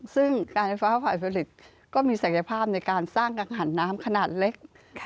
ซึ่งการไฟฟ้าฝ่ายผลิตก็มีศักยภาพในการสร้างกังหันน้ำขนาดเล็ก